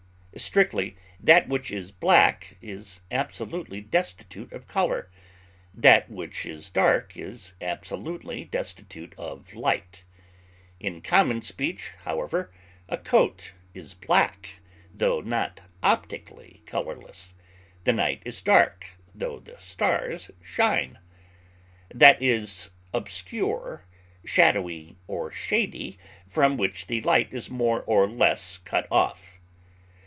Strictly, that which is black is absolutely destitute of color; that which is dark is absolutely destitute of light. In common speech, however, a coat is black, tho not optically colorless; the night is dark, tho the stars shine. That is obscure, shadowy, or shady from which the light is more or less cut off.